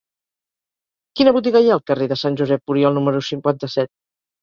Quina botiga hi ha al carrer de Sant Josep Oriol número cinquanta-set?